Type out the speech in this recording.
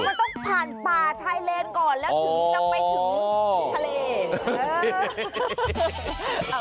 มันต้องผ่านป่าชายเลนก่อนแล้วถึง